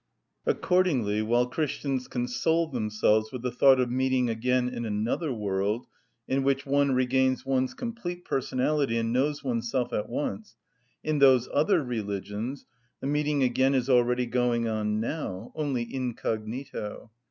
Accordingly, while Christians console themselves with the thought of meeting again in another world, in which one regains one's complete personality and knows oneself at once, in those other religions the meeting again is already going on now, only incognito.